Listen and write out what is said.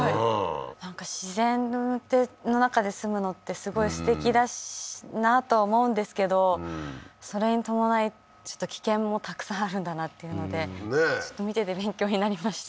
なんか自然の中で住むのってすごいすてきだなとは思うんですけどそれに伴いちょっと危険もたくさんあるんだなっていうのでちょっと見てて勉強になりました